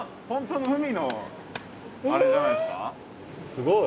すごい。